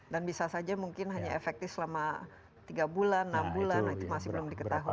dan bisa saja mungkin hanya efektif selama tiga bulan enam bulan itu masih belum diketahui